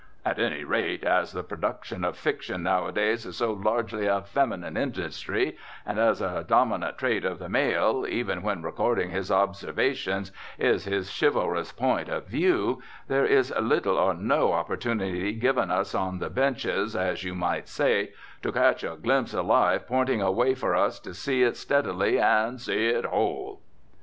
At any rate, as the production of fiction nowadays is so largely a feminine industry, and as a dominant trait of the male, even when recording his observations, is his chivalrous point of view, there is little or no opportunity given us on the benches, as you might say, to catch a glimpse of life pointing a way for us to see it steadily and see it whole."